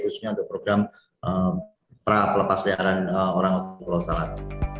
khususnya untuk program pra pelepasliaran orang di pelau salat